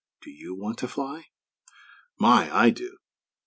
Don't you want to fly? My! I do!"